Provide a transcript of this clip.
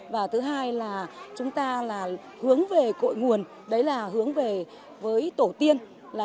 và thứ hai là chúng ta là hướng về cội nguồn đấy là hướng về với tổ tiên